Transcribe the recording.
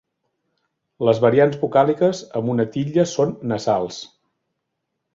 Les variants vocàliques amb una titlla són nasals.